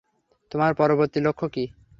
তোমার পরবর্তী লক্ষ্য কি?